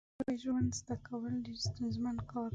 نوې ژبه زده کول ډېر ستونزمن کار دی